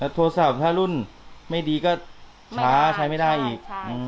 โทรศัพท์ถ้ารุ่นไม่ดีก็ช้าใช้ไม่ได้อีก